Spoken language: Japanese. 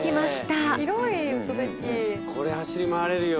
これ走り回れるよ。